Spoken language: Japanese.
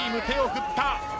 手を振った。